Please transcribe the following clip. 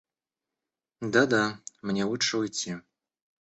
Да да, мне лучше уйти.